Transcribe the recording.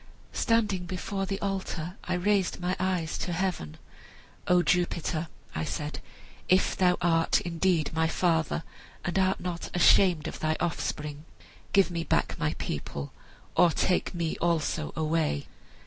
"Standing before the altar I raised my eyes to heaven. 'O Jupiter,' I said, 'if thou art indeed my father, and art not ashamed of thy offspring, give me back my people, or take me also away!'